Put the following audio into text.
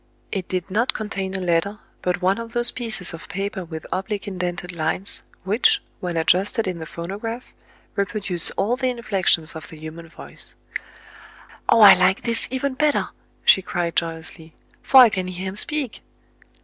It did not contain a letter, but one of those pieces of paper with ob lique indented lines, which, when adjusted in the LE'OU RECEIVES A LETTER. 57 phonograph, reproduce all the inflections of the human voice. "Ah! I like this even better!" she cried joy ously; "for I can hear him speak."